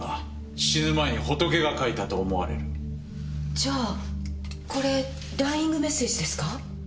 じゃあこれダイイングメッセージですか？